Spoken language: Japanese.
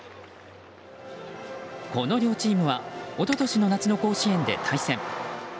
この両チームは一昨年の夏の甲子園で対戦。